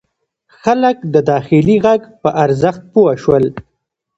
خلک د داخلي غږ په ارزښت پوه شول.